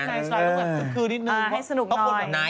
ให้สนุกหน่อย